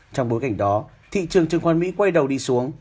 trong bối cảnh đó thị trường trường khoản mỹ quay đầu đi xuống